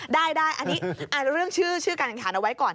ได้เรื่องชื่อการแข่งขันเอาไว้ก่อน